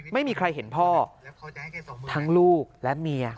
ไม่มีใครเห็นพ่อทั้งลูกและเมีย